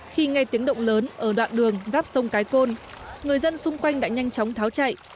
khi nghe tiếng động lớn ở đoạn đường giáp sông cái côn người dân xung quanh đã nhanh chóng tháo chạy